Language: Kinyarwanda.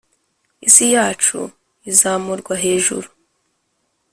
isi yacu izamurwa hejuru